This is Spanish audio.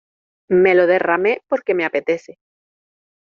Me lo derramé porque me apetece.